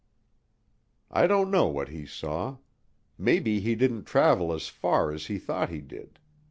I don't know what he saw. Maybe he didn't travel as far as he thought he did.